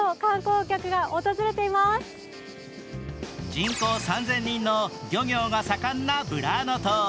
人口３０００人の漁業が盛んなブラーノ島。